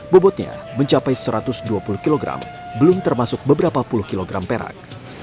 bobotnya mencapai satu ratus dua puluh kg belum termasuk beberapa puluh kg perak